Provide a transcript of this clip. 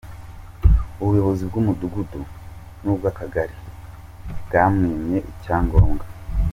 Ubuyobozi bw’umudugudu n’ubwa kagari bwamwimye icyangombwa .